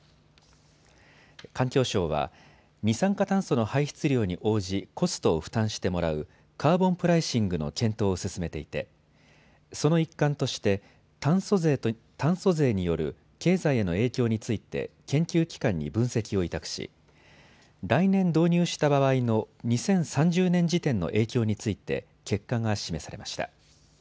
環境省は二酸化炭素の排出量に応じコストを負担してもらうカーボンプライシングの検討を進めていてその一環として炭素税による経済への影響について研究機関に分析を委託し、来年導入した場合の２０３０年時点の影響について結果が示されました。